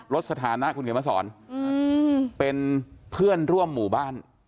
สถานะคุณเขียนมาสอนเป็นเพื่อนร่วมหมู่บ้าน